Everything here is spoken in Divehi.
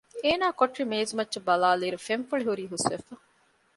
އޭނާ ކޮޓަރި މޭޒުމައްޗަށް ބަލާލިއިރު ފެންފުޅި ހުރީ ހުސްވެފަ